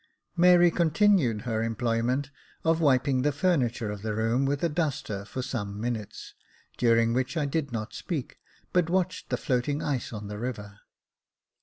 Mary continued her employment, of wiping the furniture of the room with a duster for some minutes, during which I did not speak, but watched the floating ice on the river.